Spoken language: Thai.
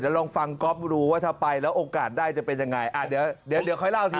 เดี๋ยวลองฟังก๊อฟรู้ว่าถ้าไปแล้วโอกาสได้จะเป็นยังไง